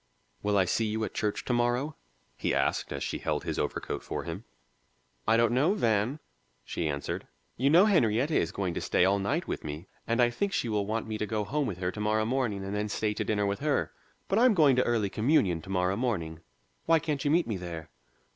"Will I see you at church to morrow?" he asked, as she held his overcoat for him. "I don't know, Van," she answered. "You know Henrietta is going to stay all night with me, and I think she will want me to go home with her to morrow morning and then stay to dinner with her. But I'm going to early communion to morrow morning; why can't you meet me there?"